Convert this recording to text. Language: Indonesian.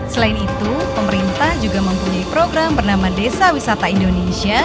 selain itu pemerintah juga mempunyai program bernama desa wisata indonesia